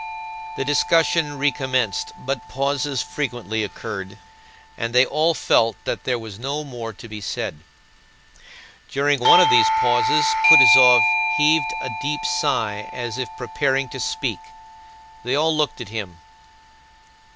The discussion recommenced, but pauses frequently occurred and they all felt that there was no more to be said. During one of these pauses Kutúzov heaved a deep sigh as if preparing to speak. They all looked at him.